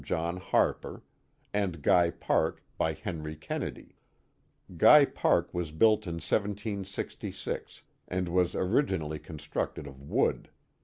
John Harper, and Guy Park by Henry Kennedy. Guy Park was built in 1766 and was originally constructed of wood.